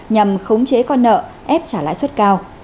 nhằm khống chế con nợ ép trả lãi suất cao